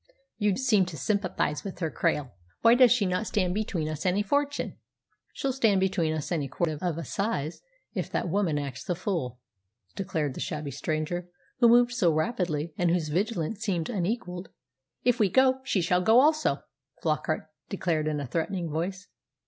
"You seem to sympathise with her, Krail. Why, does she not stand between us and fortune?" "She'll stand between us and a court of assize if that woman acts the fool!" declared the shabby stranger, who moved so rapidly and whose vigilance seemed unequalled. "If we go, she shall go also," Flockart declared in a threatening voice.